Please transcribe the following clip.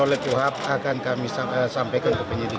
kolektifahap akan kami sampaikan ke penyidik